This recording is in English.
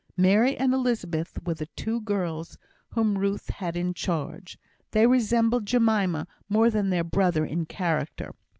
Mary and Elizabeth were the two girls whom Ruth had in charge; they resembled Jemima more than their brother in character.